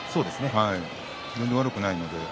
全然悪くないので。